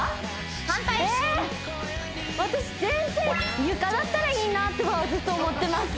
反対えっ私前世床だったらいいなとはずっと思ってます